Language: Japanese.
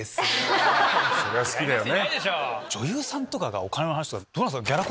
そりゃ好きだよね。